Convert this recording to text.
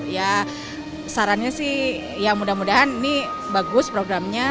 ya sarannya sih ya mudah mudahan ini bagus programnya